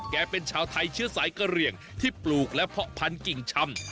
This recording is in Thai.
เป็นชาวไทยเชื้อสายกะเหลี่ยงที่ปลูกและเพาะพันธิ่งชำ